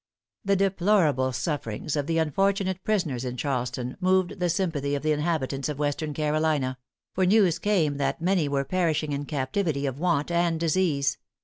The deplorable sufferings of the unfortunate prisoners in Charleston, moved the sympathy of the inhabitants of Western Carolina; for news came that many were perishing in captivity of want and disease.